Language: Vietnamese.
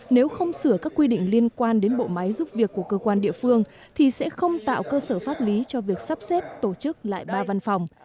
nếu không sửa các quy định liên quan đến bộ máy giúp việc của cơ quan địa phương thì sẽ không tạo cơ sở pháp lý cho việc sắp xếp tổ chức lại ba văn phòng